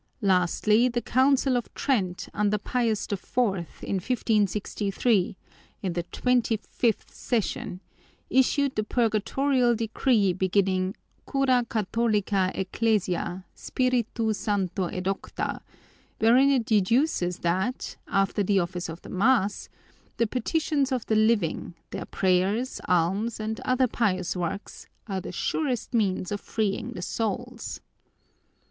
Lastly, the Council of Trent under Pius IV in 1563, in the twenty fifth session, issued the purgatorial decree beginning Cura catholica ecclesia, Spiritu Santo edocta, wherein it deduces that, after the office of the mass, the petitions of the living, their prayers, alms, and other pious works are the surest means of freeing the souls.